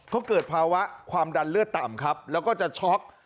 เขาเกิดภาวะความดันเลือดต่ำครับแล้วก็จะช็อก